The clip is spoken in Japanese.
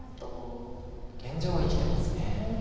現状は生きてます。